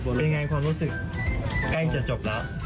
เป็นยังไงความรู้สึกใกล้จะจบแล้ว